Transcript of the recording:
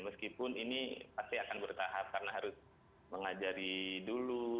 meskipun ini pasti akan bertahap karena harus mengajari dulu